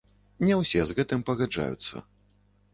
Не ўсе з гэтым пагаджаюцца.